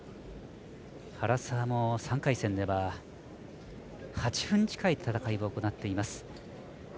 原沢も３回戦では８分近い戦いを行っています。